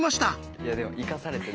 いやでも生かされてない。